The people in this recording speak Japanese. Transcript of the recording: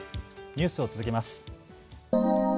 ニュースを続けます。